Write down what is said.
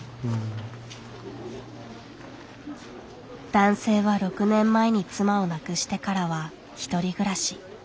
男性は６年前に妻を亡くしてからは１人暮らし。